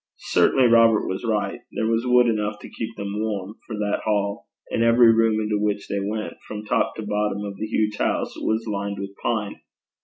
Certainly Robert was right: there was wood enough to keep them warm; for that hall, and every room into which they went, from top to bottom of the huge house, was lined with pine.